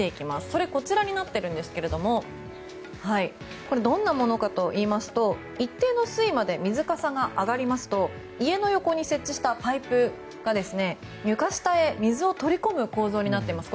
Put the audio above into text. それこちらになっているんですがこれ、どんなものかといいますと一定の水位まで水かさが上がりますと家の横に設置したパイプが床下へ水を取り込む構造になっています。